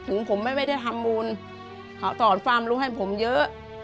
ถึงผมไม่ได้ทำบุญเขาสอนความรู้ให้ผมเยอะ